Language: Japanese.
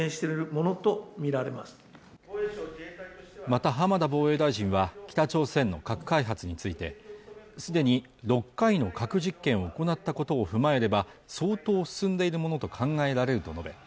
また浜田防衛大臣は北朝鮮の核開発についてすでに６回の核実験を行ったことを踏まえれば相当、進んでいるものと考えられると述べ